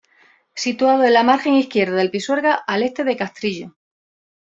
Situado en la margen izquierda del Pisuerga, al este de Castrillo.